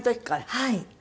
はい。